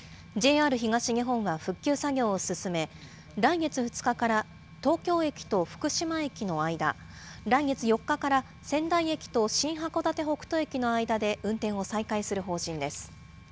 ＪＲ東日本は復旧作業を進め、来月２日から東京駅と福島駅の間、来月４日から仙台駅と新函館北斗駅の間で運転を再開する方針です。